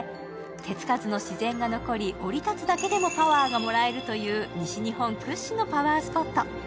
手つかずの自然が残り、降り立つだけでもパワーがもらえるという西日本屈指のパワースポット。